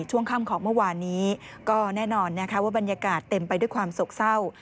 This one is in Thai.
ช่วงค่ำของเมื่อวานนี้ก็แน่นอนนะคะว่าบรรยากาศเต็มไปด้วยความโศกเศร้า